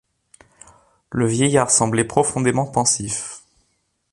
Le vieillard semblait profondément pensif.